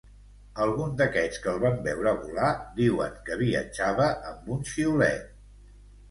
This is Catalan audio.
Algun d'aquests que el van veure volar diuen que viatjava amb un xiulet.